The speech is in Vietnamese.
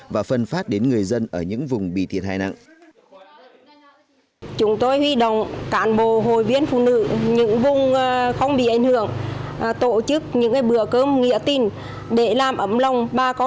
và phân phát đến người dân ở những vùng bị thiệt hại nặng